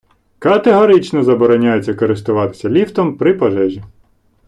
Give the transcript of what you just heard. Категорично забороняється користуватися ліфтом при пожежі!